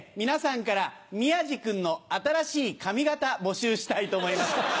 皆さんから宮治君の新しい髪形募集したいと思います。